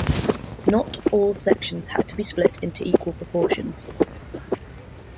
Not all sections had to be split into equal proportions.